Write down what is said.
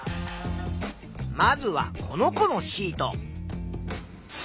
まずはこの子のシート。